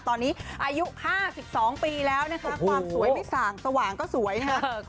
ตอนนี้อายุ๕๒ปีแล้วนะคะความสวยไม่ส่างสว่างก็สวยนะครับ